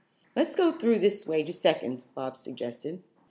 "Let's go through this way to Second," Bobs suggested.